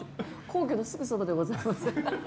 皇居のすぐそばでございます。